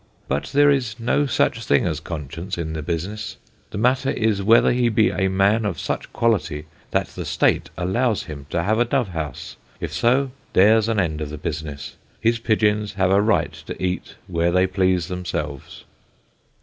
But there is no such thing as Conscience in the Business; the Matter is, whether he be a Man of such Quality, that the State allows him to have a Dove house; if so, there's an end of the business; his Pigeons have a right to eat where they please themselves.